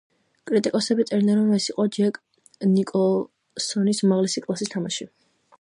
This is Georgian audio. კრიტიკოსები წერდნენ, რომ ეს იყო ჯეკ ნიკოლსონის უმაღლესი კლასის თამაში.